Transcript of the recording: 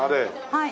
はい。